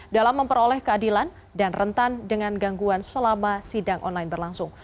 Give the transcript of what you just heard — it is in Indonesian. dalam memperoleh keadilan dan rentan dengan gangguan selama sidang online berlangsung